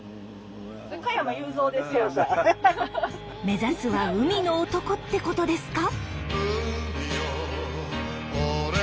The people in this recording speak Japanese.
目指すは海の男ってことですか？